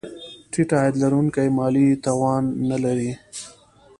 ټیټ عاید لرونکي مالي توان نه لري.